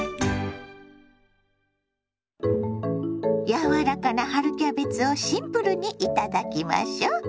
柔らかな春キャベツをシンプルにいただきましょ。